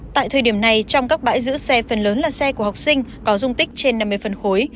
tại thời điểm này trong các bãi giữ xe phần lớn là xe của học sinh có dung tích trên năm mươi phân khối